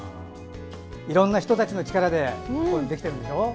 いろいろな人たちの力でできているんでしょ。